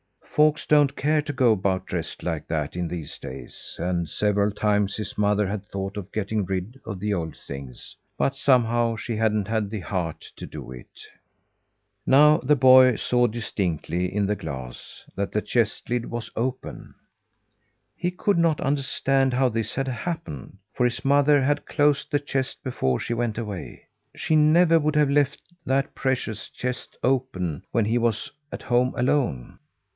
Folks don't care to go about dressed like that in these days, and several times his mother had thought of getting rid of the old things; but somehow, she hadn't had the heart to do it. Now the boy saw distinctly in the glass that the chest lid was open. He could not understand how this had happened, for his mother had closed the chest before she went away. She never would have left that precious chest open when he was at home, alone.